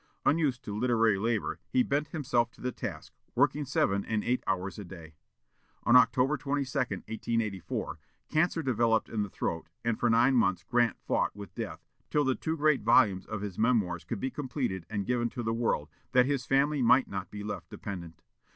Unused to literary labor, he bent himself to the task, working seven and eight hours a day. On October 22, 1884, cancer developed in the throat, and for nine months Grant fought with death, till the two great volumes of his memoirs could be completed and given to the world, that his family might not be left dependent.